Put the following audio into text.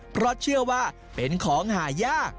เพราะเชื่อว่าเป็นของหายาก